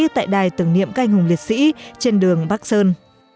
tại đài tưởng niệm canh hùng liệt sĩ trên đường bắc sơn